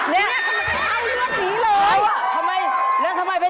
นี่ทำไมมันให้เลือกนี้เลย